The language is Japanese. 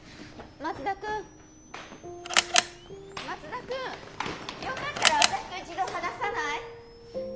松田君よかったら私と一度話さない？